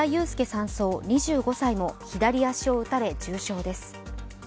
３曹２５歳も左足を撃たれ、重傷です。